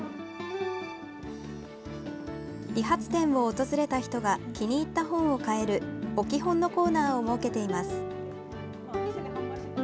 理髪店を訪れた人が気に入った本を買える置き本のコーナーを設けています。